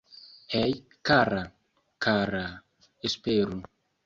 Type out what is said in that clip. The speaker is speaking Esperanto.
Hej, kara, kara.. Esperu